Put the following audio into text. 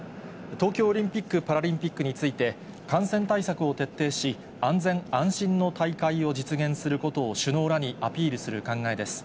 東京オリンピック・パラリンピックについて、感染対策を徹底し、安全安心の大会を実現することを首脳らにアピールする考えです。